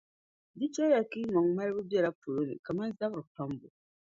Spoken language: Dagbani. Di chɛliya ka yimaŋ’ malibu bela paloni kaman zabiri pambu.